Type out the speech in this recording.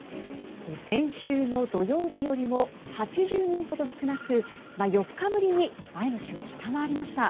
先週の土曜日よりも８０人ほど少なく４日ぶりに前の週を下回りました。